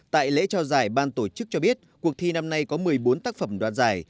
tại lễ trao giải ban tổ chức cho biết cuộc thi năm nay có một mươi bốn tác phẩm đoạt giải